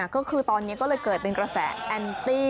ก็คือตอนนี้ก็เลยเกิดเป็นกระแสแอนตี้